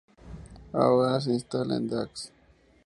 Ahora se instala en Dax.